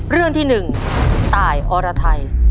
เรื่องที่๑ตายอรไทย